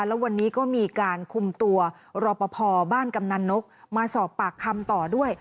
แล้ววันนี้ก็มีการคุมตัวรอปภบ้านกำนันนกมาสอบปากคำต่อด้วย